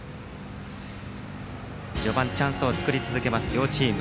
序盤、チャンスを作り続ける両チーム。